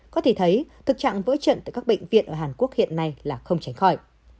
có thể thấy thực trạng vỡ trận tại các bệnh viện ở hàn quốc hiện nay là không tránh khỏi